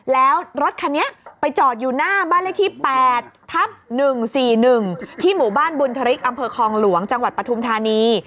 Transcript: แล้วรถคันนี้ไปจอดอยู่หน้าบ้านเลขที่๘ทับ๑๔๑ที่หมู่บ้านบุญธริกอำเภอคลองหลวงจังหวัดปฐุมธานี